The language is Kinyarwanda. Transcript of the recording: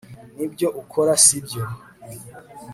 nibyo ukora, sibyo